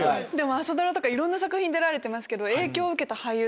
朝ドラとかいろんな作品出られてますけど。